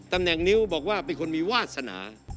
ตำแหน่งนิ้วบอกว่าเป็นคนมีวาสนา